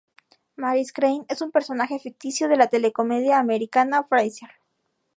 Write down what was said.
Maris Crane es un personaje ficticio de la telecomedia americana "Frasier".